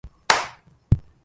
رب مستصفعٍ نسخت بنعلي